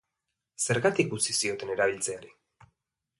Zergatik utzi zioten erabiltzeari?